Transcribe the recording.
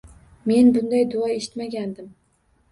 Men bunday duo eshitmagandim.